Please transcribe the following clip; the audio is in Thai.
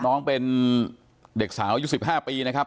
น้องเป็นเด็กสาวอายุ๑๕ปีนะครับ